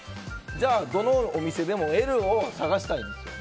じゃあ、どのお店でもＬを探したいんですよ。